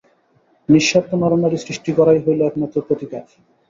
নিঃস্বার্থ নরনারী সৃষ্টি করাই হইল একমাত্র প্রতীকার।